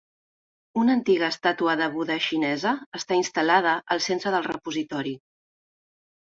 Una antiga estàtua de Buddha xinesa està instal·lada al centre del repositori.